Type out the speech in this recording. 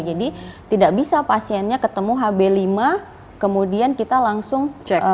jadi tidak bisa pasiennya ketemu hb lima kemudian kita langsung